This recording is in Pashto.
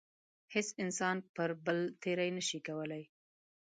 هیڅ انسان پر بل تېرۍ نشي کولای.